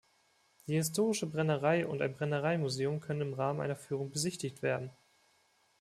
Die historische Brennerei und ein Brennerei-Museum können im Rahmen einer Führung besichtigt werden.